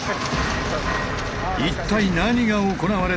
一体何が行われているのか。